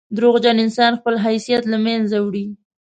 • دروغجن انسان خپل حیثیت له منځه وړي.